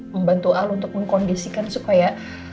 membantu al untuk mengkondisikan supaya